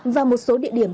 và một số địa điểm